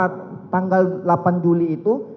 karena tanggal delapan juli itu